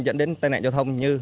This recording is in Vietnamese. dẫn đến tai nạn giao thông như